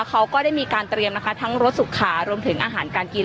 เขาก็ได้มีการเตรียมนะคะทั้งรสสุขขารวมถึงอาหารการกิน